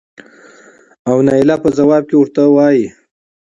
او نايله په ځواب کې ورته وايې